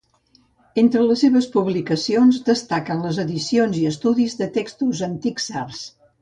Entre les seves publicacions destaquen les edicions i estudis de textos antics sards.